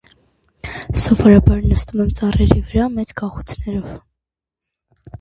Սովորաբար նստում են ծառերի վրա՝ մեծ գաղութներով։